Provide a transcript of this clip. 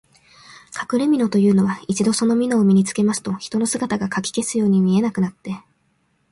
かくれみのというのは、一度そのみのを身につけますと、人の姿がかき消すように見えなくなって、